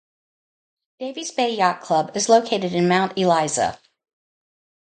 Davey's Bay Yacht Club is located in Mount Eliza.